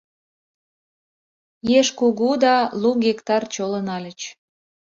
Еш кугу, да лу гектар чоло нальыч.